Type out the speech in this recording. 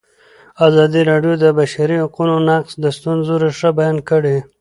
ازادي راډیو د د بشري حقونو نقض د ستونزو رېښه بیان کړې.